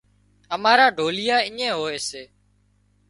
امارا ڍوليئا اڃين هوئي سي